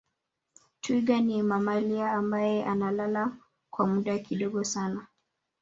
twiga ni mamalia ambaye analala kwa muda kidogo sana